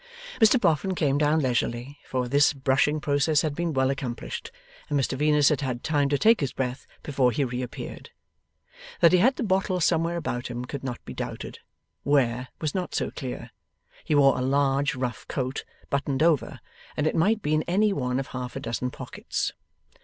Mr Boffin came down leisurely, for this brushing process had been well accomplished, and Mr Venus had had time to take his breath, before he reappeared. That he had the bottle somewhere about him could not be doubted; where, was not so clear. He wore a large rough coat, buttoned over, and it might be in any one of half a dozen pockets.